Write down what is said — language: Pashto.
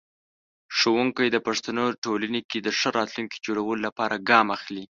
ښوونکی د پښتنو ټولنې کې د ښه راتلونکي جوړولو لپاره ګام اخلي.